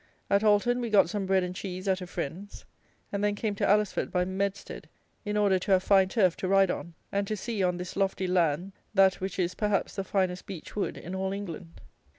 At Alton we got some bread and cheese at a friend's, and then came to Alresford by Medstead, in order to have fine turf to ride on, and to see, on this lofty land that which is, perhaps, the finest beech wood in all England.